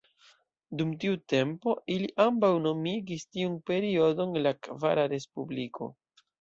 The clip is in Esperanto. Dum tiu tempo ili ambaŭ nomigis tiun periodon la "kvara Respubliko".